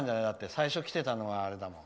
最初来てたのはあれだもん。